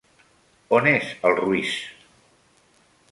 On és el Ruiz?